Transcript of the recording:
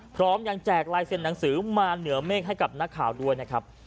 พร้อมยังแจกลายเซ็นหนังสือมาเหนือเมฆให้กับนักข่าวด้วยนะครับ